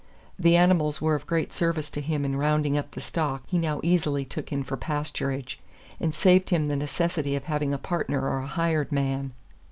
The animals were of great service to him in "rounding up" the stock he now easily took in for pasturage, and saved him the necessity of having a partner or a hired man.